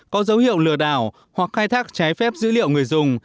có dấu hiệu lừa đảo hoặc khai thác trái phép dữ liệu người dùng